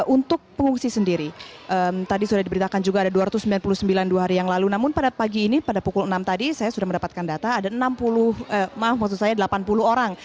untuk pengungsi sendiri tadi sudah diberitakan juga ada dua ratus sembilan puluh sembilan dua hari yang lalu namun pada pagi ini pada pukul enam tadi saya sudah mendapatkan data ada enam puluh maaf maksud saya delapan puluh orang